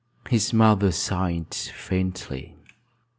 His mother sighed faintly.